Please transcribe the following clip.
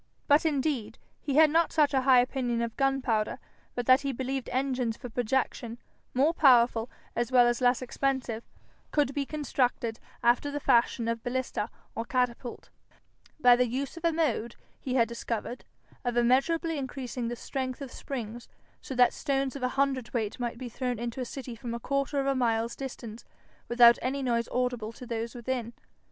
But indeed he had not such a high opinion of gunpowder but that he believed engines for projection, more powerful as well as less expensive, could be constructed, after the fashion of ballista or catapult, by the use of a mode he had discovered of immeasurably increasing the strength of springs, so that stones of a hundredweight might be thrown into a city from a quarter of a mile's distance without any noise audible to those within.